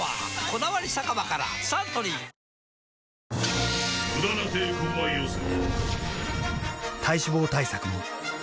「こだわり酒場」からサントリーそうなんです